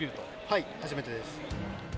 はい、初めてです。